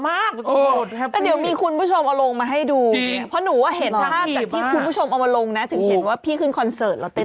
เดี๋ยวมีคุณผู้ชมเอาลงมาให้ดูเพราะหนูว่าเห็นภาพจากที่คุณผู้ชมเอามาลงนะถึงเห็นว่าพี่ขึ้นคอนเสิร์ตเราเต้น